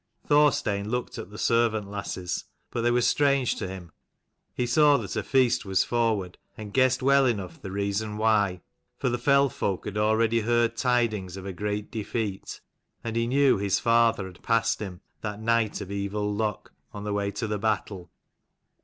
Thorstein looked at the servant lasses, but they were strange to him. He saw that a feast was forward, and guessed well enough the reason why : for the fell folk had already heard tidings of a great defeat, and he knew his father had passed him, that night of evil luck, on the way to the battle.